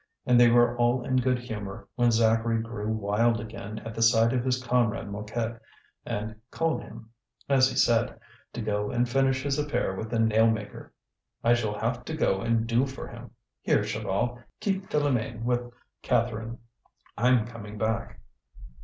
And they were all in good humour, when Zacharie grew wild again at the sight of his comrade Mouquet, and called him, as he said, to go and finish his affair with the nail maker. "I shall have to go and do for him! Here, Chaval, keep Philoméne with Catherine. I'm coming back."